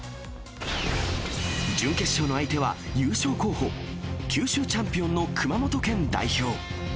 準決勝の相手は優勝候補、九州チャンピオンの熊本県代表。